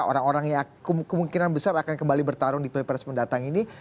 orang orang yang kemungkinan besar akan kembali bertarung di pilpres mendatang ini